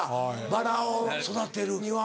バラを育てるには。